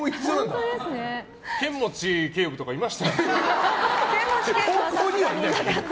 剣持警部とかいました？